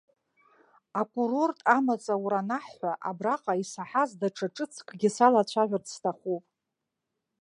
Акурорт амаҵ аура анаҳҳәа, абраҟа исаҳаз даҽа ҿыцкгьы салацәажәарц сҭахуп.